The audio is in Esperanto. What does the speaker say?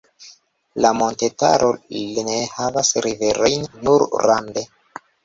La montetaro ne havas riverojn, nur rande.